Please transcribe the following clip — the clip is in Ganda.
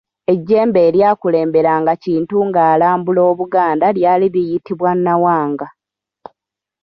Ejjembe eryakulemberanga Kintu ng'alambula Obuganda lyali liyitibwa Nawanga.